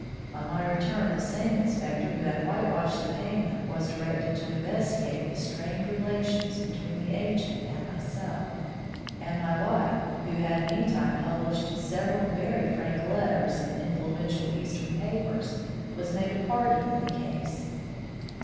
On my return, the same inspector who had white washed the payment was directed to investi gate the '^strained relations'' between the agent and myself, and my wife, who had meantime published several very frank letters in influential eastern papers, was made a party in the case.